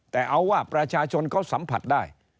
แต่เอาว่าประชาชนเขาสัมผัสได้